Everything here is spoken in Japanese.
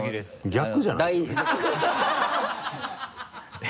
逆じゃないよね？